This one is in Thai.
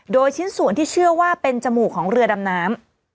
โดยชิ้นส่วนที่เชื่อว่าเป็นจมูกของเรือดำน้ำ